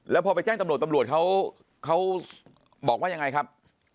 แล้วพอไปแจ้งตำรวจตำรวจเขาบอกว่ายังไงครับ